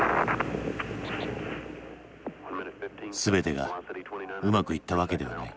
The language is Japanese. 全てがうまくいったわけではない。